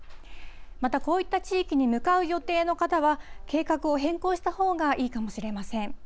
またこういった地域に向かう予定の方は、計画を変更したほうがいいかもしれません。